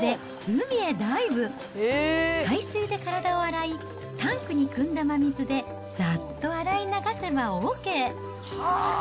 海水で体を洗い、タンクにくんだ真水でざっと洗い流せばＯＫ。